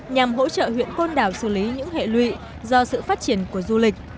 nhằm hỗ trợ huyện côn đảo xử lý những hệ lụy do sự phát triển của du lịch